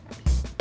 tunggu nanti aja